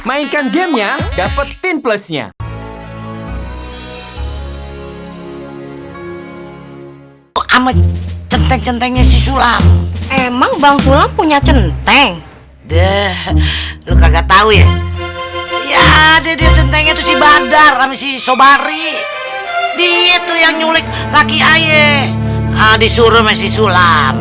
mainkan gamenya dapetin plusnya